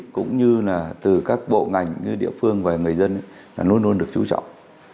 cũng như là từ các bộ ngành địa phương và người dân là luôn luôn được chú trọng